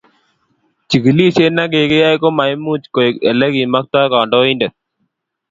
chikilishet ne kikiyai ko maimuch koik ele kimakta kandoindet